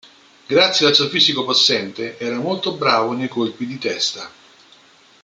Grazie al suo fisico possente era molto bravo nei colpi di testa.